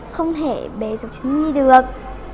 không thể bé dọc chứng nhi được